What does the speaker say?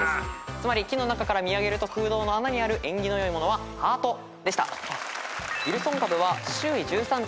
つまり木の中から見上げると空洞の穴にある縁起の良いものはハートでした。